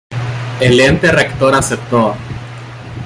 El ente rector aceptó.